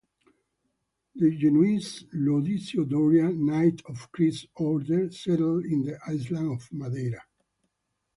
The genoese Lodisio Doria, knight of Christ's Order, settled in the island of Madeira.